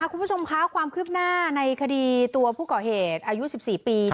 คุณผู้ชมคะความคืบหน้าในคดีตัวผู้ก่อเหตุอายุ๑๔ปี